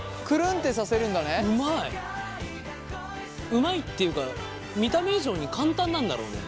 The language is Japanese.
うまいっていうか見た目以上に簡単なんだろうね。